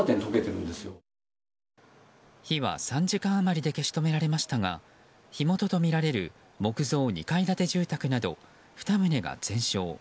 火は３時間余りで消し止められましたが火元とみられる木造２階建て住宅など２棟が全焼。